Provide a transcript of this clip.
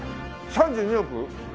３２億